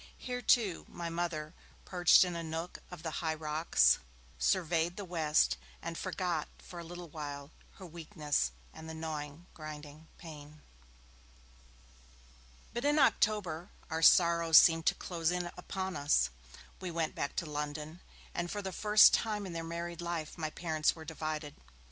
Here, too, my Mother, perched in a nook of the high rocks, surveyed the west, and forgot for a little while her weakness and the gnawing, grinding pain. But in October, our sorrows seemed to close in upon us. We went back to London, and for the first time in their married life, my parents were divided.